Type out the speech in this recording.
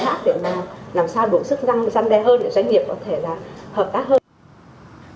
để mà làm sao đủ sức răng răn đe hơn để doanh nghiệp có thể là hợp tác hơn